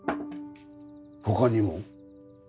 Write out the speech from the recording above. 他にも？